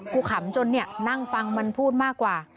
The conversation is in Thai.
ขำจนนั่งฟังมันพูดมากกว่า